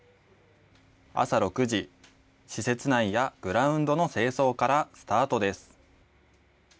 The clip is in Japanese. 朝６時、施設内やグラウンドの清掃からスタートです。